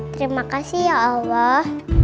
terima kasih ya allah